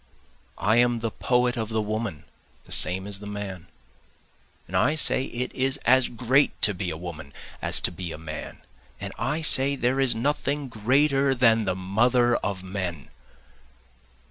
I am the poet of the woman the same as the man, And I say it is as great to be a woman as to be a man, And I say there is nothing greater than the mother of men.